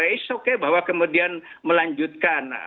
is okay bahwa kemudian melanjutkan